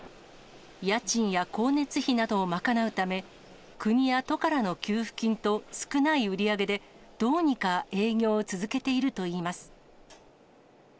家賃や光熱費などを賄うため、国や都からの給付金と少ない売り上げで、どうにか営業を続けているといいます。